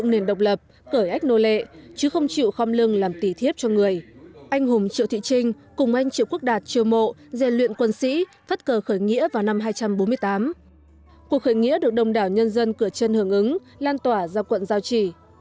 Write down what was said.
năm hai nghìn một mươi tám cuộc khởi nghĩa được đông đảo nhân dân cửa chân hưởng ứng lan tỏa ra quận giao chỉ